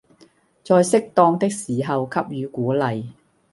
在適當的時候給予鼓勵